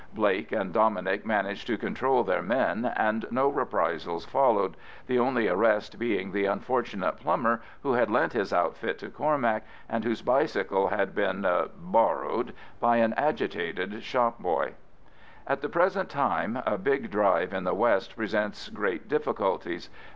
Blake and Dominic managed to control their men, and no reprisals followed, the only arrest being the unfortunate plumber who had lent his outfit to Cormac, and whose bicycle had been "borrowed" by an agitated shop boy. At the present time a big drive in the west presents great difficulties.